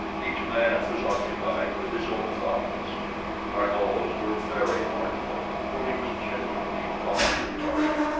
Each man was occupied with his own thoughts. D'Arnot's were very mournful, for he was genuinely fond of Tarzan.